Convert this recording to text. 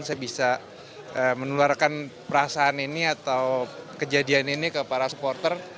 saya bisa menularkan perasaan ini atau kejadian ini ke para supporter